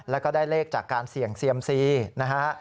แล้วก็ได้เลขจากการเสี่ยงเซียมซีนะฮะ